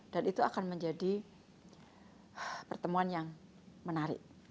dan itu akan menjadi pertemuan yang menarik